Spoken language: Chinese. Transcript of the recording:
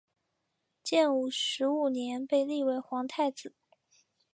建武十五年被立为皇太子。